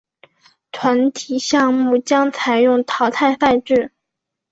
团体项目将采用淘汰赛制。